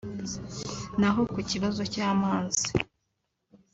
naho ku kibazo cy’amazi